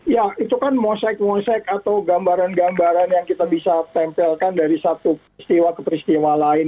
ya itu kan mosek mosek atau gambaran gambaran yang kita bisa tempelkan dari satu peristiwa ke peristiwa lain